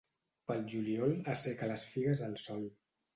Pel juliol asseca les figues al sol.